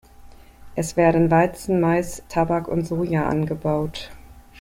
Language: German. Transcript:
Es werden Weizen, Mais, Tabak und Soja angebaut.